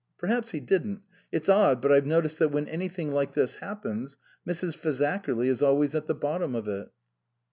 Perhaps he didn't. It's odd, but I've noticed that when anything like this happens, Mrs. Fazakerly is always at the bottom of it."